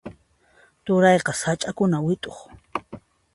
Turayqa sach'akuna wit'uq.